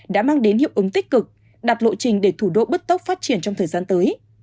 đã mang đến hiệu ứng tích cực đặt lộ trình để thủ đô bứt tốc phát triển trong thời gian tới